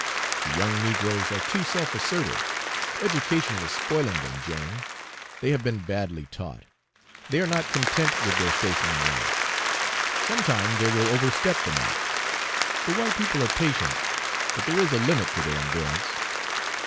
The young negroes are too self assertive. Education is spoiling them, Jane; they have been badly taught. They are not content with their station in life. Some time they will overstep the mark. The white people are patient, but there is a limit to their endurance."